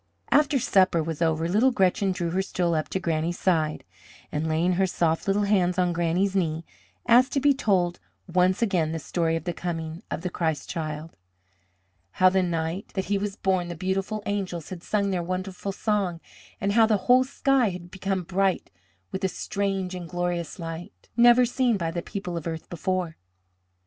After supper was over little Gretchen drew her stool up to Granny's side, and laying her soft, little hands on Granny's knee, asked to be told once again the story of the coming of the Christ Child; how the night that he was born the beautiful angels had sung their wonderful song, and how the whole sky had become bright with a strange and glorious light, never seen by the people of earth before.